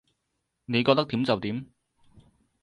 你覺得點就點